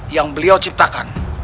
yang beliau ciptakan